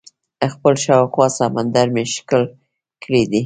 خپل شاوخوا سمندر مې ښکل کړی دئ.